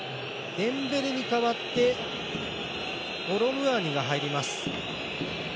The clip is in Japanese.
デンベレに代わってコロムアニが入ります。